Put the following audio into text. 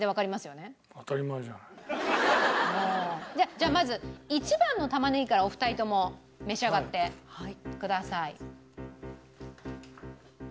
じゃあまず１番の玉ねぎからお二人とも召し上がってください。